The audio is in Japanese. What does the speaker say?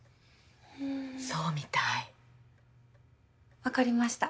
そうみたい。わかりました。